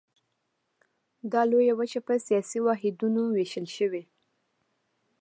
دا لویه وچه په سیاسي واحدونو ویشل شوې.